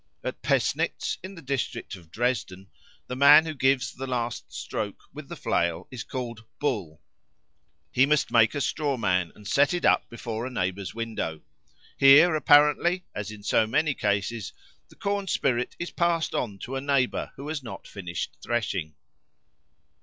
At Pessnitz, in the district of Dresden, the man who gives the last stroke with the flail is called Bull. He must make a straw man and set it up before a neighbour's window. Here, apparently, as in so many cases, the corn spirit is passed on to a neighbour who has not finished threshing.